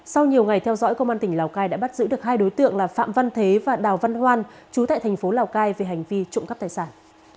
sau nhiều ngày theo dõi công an tỉnh lào cai đã bắt giữ được hai đối tượng là phạm văn thế và đào văn hoan chú tại thành phố lào cai về hành vi trộm cắp tài sản